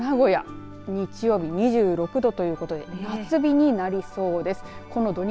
名古屋日曜日２６度ということで夏日になりそうです。